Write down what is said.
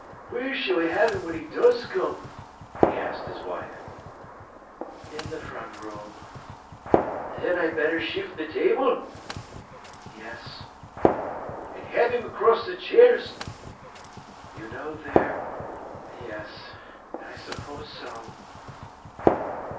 "Wheer s'll we ha'e him when he does come?" he asked his wife. "In the front room." "Then I'd better shift th' table?" "Yes." "An' ha'e him across th' chairs?" "You know there—Yes, I suppose so."